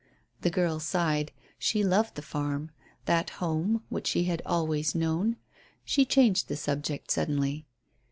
The girl sighed. She loved the farm; that home which she had always known. She changed the subject suddenly.